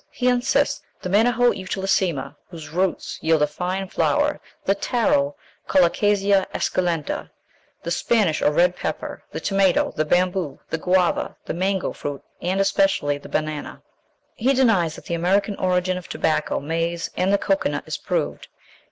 He instances the Manihot utilissima, whose roots yield a fine flour; the tarro (Colocasia esculenta), the Spanish or red pepper, the tomato, the bamboo, the guava, the mango fruit, and especially the banana. He denies that the American origin of tobacco, maize, and the cocoa nut is proved.